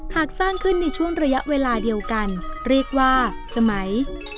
หากสร้างขึ้นในช่วงระยะเวลาเดียวกันเรียกว่าสมัย